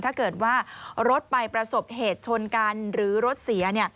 ถ้าเกิดว่ารถไปประสบเหตุชนกันหรือรถเสีย